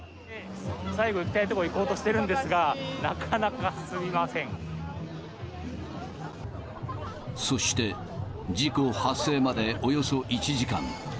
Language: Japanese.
最後、行きたいところ行こうとしてるんですが、そして、事故発生までおよそ１時間。